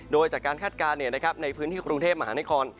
โดยจากการคาดการณ์เนี่ยนะครับในพื้นที่กรุงเทพมหานคร